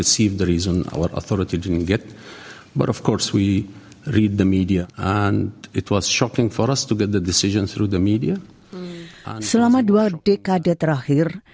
selama dua dekade terakhir